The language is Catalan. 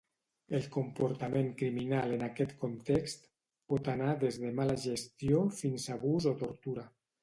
El comportament criminal en aquest context pot anar des de mala gestió fins a abús o tortura.